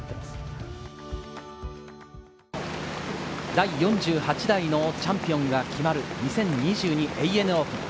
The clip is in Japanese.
第４８代のチャンピオンが決まる、２０２２ＡＮＡオープン。